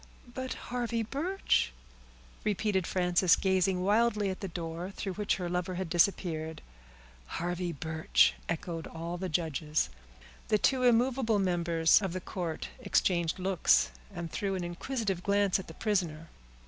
"But Harvey Birch," repeated Frances, gazing wildly at the door through which her lover had disappeared. "Harvey Birch!" echoed all the judges. The two immovable members of the court exchanged looks, and threw an inquisitive glance at the prisoner.